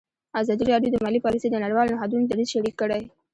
ازادي راډیو د مالي پالیسي د نړیوالو نهادونو دریځ شریک کړی.